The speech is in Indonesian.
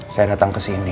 saya datang kesini